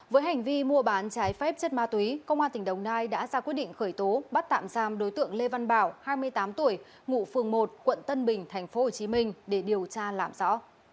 với hành vi mua bán trái phép chất ma túy công an tỉnh đồng nai đã ra quyết định khởi tố bắt tạm giam đối tượng lê văn bảo hai mươi tám tuổi ngụ phường một quận tân bình tp hcm để điều tra làm rõ